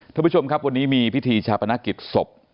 ท่านผู้ชมครับวันนี้มีพิธีชาปนกิจศพ